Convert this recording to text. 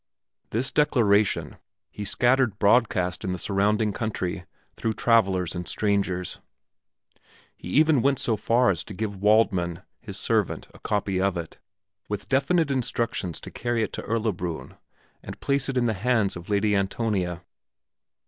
This declaration he scattered broadcast in the surrounding country through travelers and strangers; he even went so far as to give Waldmann, his servant, a copy of it, with definite instructions to carry it to Erlabrunn and place it in the hands of Lady Antonia.